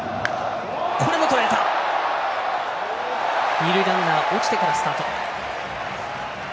二塁ランナー落ちてからスタート。